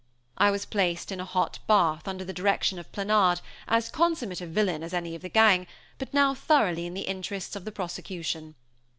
I was placed in a hot bath, under the direction of Planard, as consummate a villain as any of the gang, but now thoroughly in the interests of the prosecution.